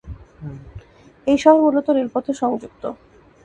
এই শহর মূলত রেলপথে সংযুক্ত।